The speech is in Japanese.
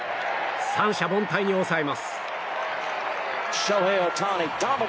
三者凡退に抑えます。